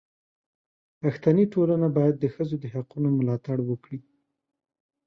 پښتني ټولنه باید د ښځو د حقونو ملاتړ وکړي.